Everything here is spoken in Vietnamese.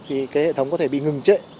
thì cái hệ thống có thể bị ngừng trễ